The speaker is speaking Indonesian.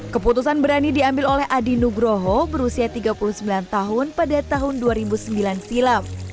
keputusan berani diambil oleh adi nugroho berusia tiga puluh sembilan tahun pada tahun dua ribu sembilan silam